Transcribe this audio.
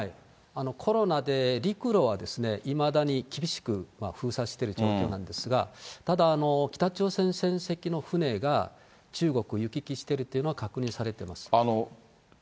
コロナで陸路は、いまだに厳しく封鎖している状況なんですが、ただ、北朝鮮船籍の船が、中国を行き来してるっていうのは確認されてます。